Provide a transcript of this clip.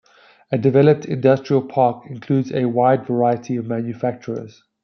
A developed industrial park includes a wide variety of manufacturers.